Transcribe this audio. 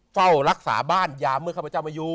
เฝ้ารักษาบ้านยามเมื่อข้าพเจ้ามาอยู่